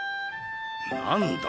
何だ？